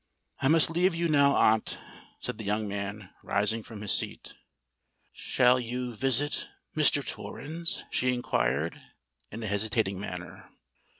"I must now leave you, aunt," said the young man, rising from his seat. "Shall you visit Mr. Torrens?" she inquired, in a hesitating manner.